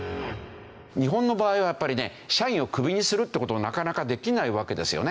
日本の場合はやっぱりね社員をクビにするっていう事をなかなかできないわけですよね。